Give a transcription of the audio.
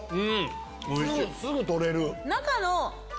すぐ取れる。